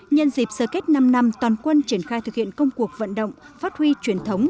nhân dịp sơ kết năm năm toàn quân triển khai thực hiện công cuộc vận động phát huy truyền thống